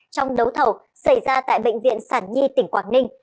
trong đấu thầu xảy ra tại bệnh viện sản nhi tỉnh quảng ninh